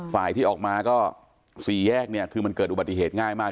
ฝ่ายที่ออกมาก็สี่แยกเนี่ยคือมันเกิดอุบัติเหตุง่ายมาก